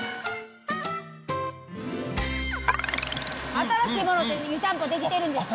新しいもの湯たんぽ出来てるんですか？